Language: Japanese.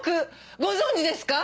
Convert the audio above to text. ご存じですか？